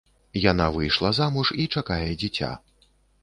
Яна выйшла замуж і чакае дзіця.